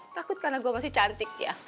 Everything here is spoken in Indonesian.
takut karena gue masih cantik ya